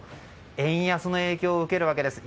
円安の影響を受けるわけです。